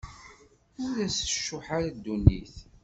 Ur as-tcuḥḥ ara ddunit.